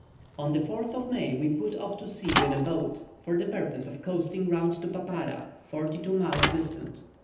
On the 4th of May we put off to sea in a boat, for the purpose of coasting round to Papara, forty two miles distant.